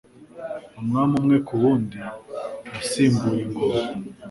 umwami umwe ku wundi yasimbuye ingoma